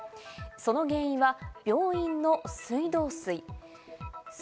その原因は病院の水道水。